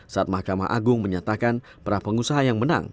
saat mahkamah agung menyatakan pra pengusaha yang menang